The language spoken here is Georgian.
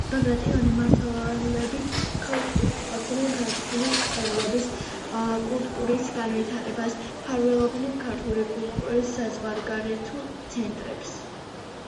ბაგრატიონი მმართველები ხელს უწყობდნენ ქართული მწერლობის, კულტურის განვითარებას, მფარველობდნენ ქართული კულტურის საზღვარგარეთულ ცენტრებს.